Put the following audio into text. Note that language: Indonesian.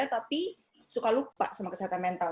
tapi suka lupa sama kesehatan mental